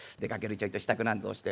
ちょいと支度なんぞをして」。